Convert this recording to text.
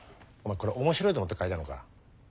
これ面白いと思って書いたのか？